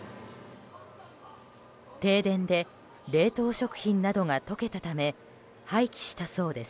停電で冷凍食品などが溶けたため廃棄したそうです。